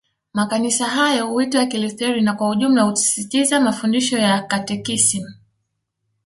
Makanisa hayo huitwa ya Kilutheri na Kwa jumla husisitiza mafundisho ya Katekisimu